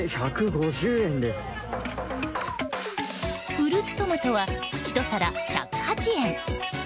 フルーツトマトは１皿１０８円。